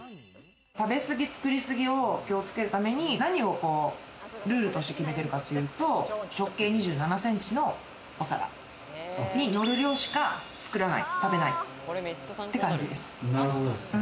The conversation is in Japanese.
食べすぎ、作りすぎを気をつけるために何をルールとして決めてるかというと、直径２７センチのお皿に乗る量しか作らない、食べないって感じです。